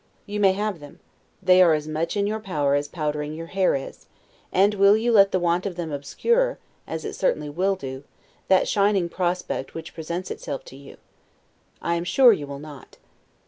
You may have them; they are as much in your power as powdering your hair is; and will you let the want of them obscure (as it certainly will do) that shining prospect which presents itself to you. I am sure you will not.